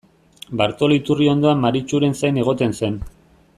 Bartolo iturri ondoan Maritxuren zain egoten zen.